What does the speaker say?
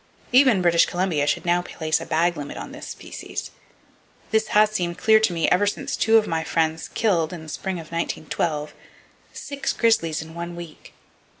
Even British Columbia should now place a bag limit on this species. This has seemed clear to me ever since two of my friends killed (in the spring of 1912) six grizzlies in one week!